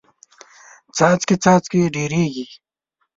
څاڅکې څاڅکې ډېریږي.